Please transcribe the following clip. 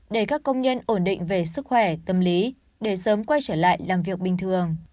để các công nhân ổn định về sức khỏe tâm lý để sớm quay trở lại làm việc bình thường